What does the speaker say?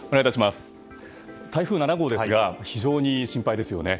台風７号ですが非常に心配ですよね。